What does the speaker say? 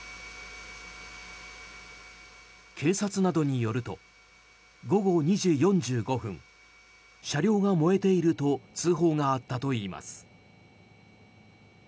警察などによると午後２時４５分車両が燃えていると通報があったといいます。